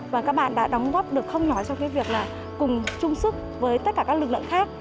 và các bạn đã đóng góp được không nhỏ cho cái việc là cùng chung sức với tất cả các lực lượng khác